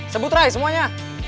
sebut ray semuanya